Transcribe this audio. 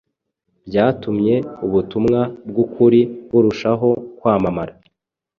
byatumye ubutumwa bw’ukuri burushaho kwamamara;